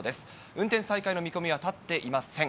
運転再開の見込みは立っていません。